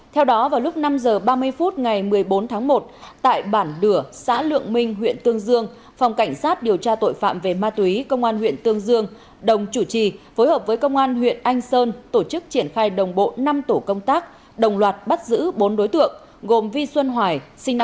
theo đó vào lúc năm h ba mươi phút ngày một mươi bốn tháng một tại bản đửa xã lượng minh huyện tương dương phòng cảnh sát điều tra tội phạm về ma túy công an huyện tương dương đồng chủ trì phối hợp với công an huyện anh sơn tổ chức triển khai đồng bộ năm tổ công tác đồng loạt bắt giữ bốn đối tượng gồm vi xuân hoài sinh năm một nghìn chín trăm tám mươi ba